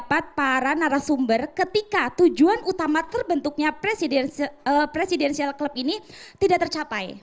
para narasumber ketika tujuan utama terbentuknya presidensial presidensial klub ini tidak tercapai